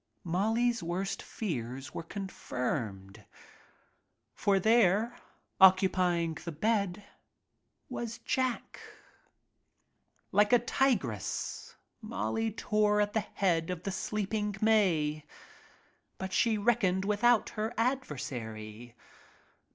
Molly's worst fears were confirmed. For there, occupying the bed, was — Jack. Like a tigress Molly tore at the head of the sleeping*Mae. But she reckoned without her ad versary.